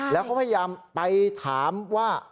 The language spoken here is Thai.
แล้วเขาพยายามไปถามว่า